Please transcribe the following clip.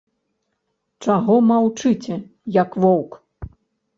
Чаго маўчыце, як воўк?